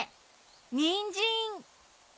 にんじん！